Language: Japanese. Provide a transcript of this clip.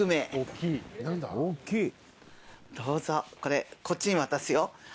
どうぞこれこっちに渡すよ。